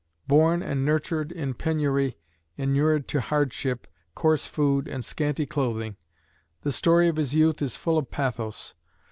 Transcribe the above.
Born and nurtured in penury, inured to hardship, coarse food, and scanty clothing, the story of his youth is full of pathos.